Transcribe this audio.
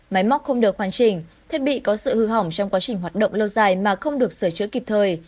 máy móc không được hoàn chỉnh thiết bị có sự hư hỏng trong quá trình hoạt động lâu dài mà không được sửa chữa kịp thời